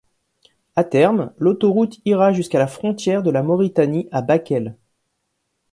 À terme, l'autoroute ira jusqu'à la frontière de la Mauritanie à Bakel.